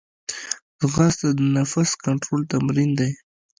ځغاسته د نفس کنټرول تمرین دی